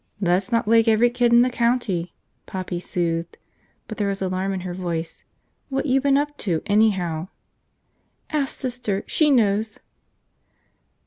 "Let's not wake every kid in the county," Poppy soothed, but there was alarm in her voice. "What you been up to, anyhow?" "Ask Sister! She knows!"